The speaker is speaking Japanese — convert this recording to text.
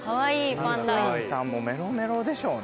飼育員さんもメロメロでしょうね。